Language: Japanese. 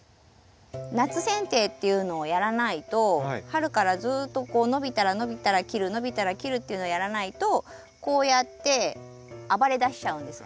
夏せん定っていうのをやらないと春からずっとこう伸びたら切る伸びたら切るっていうのをやらないとこうやって暴れだしちゃうんですよ。